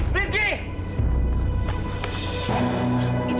nanti aku nunggu